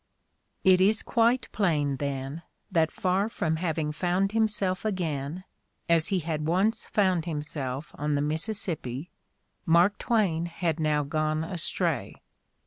It is quite plain, then, that far from having found himself again, as he had once found himself on the Mississippi, Mark Twain had now gone astray.